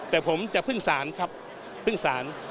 แต่ผมจะพึ่งศาลครับพึ่งศาล